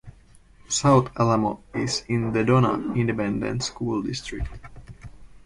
South Alamo is in the Donna Independent School District.